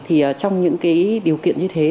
trong những điều kiện như thế